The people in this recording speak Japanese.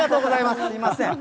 すみません。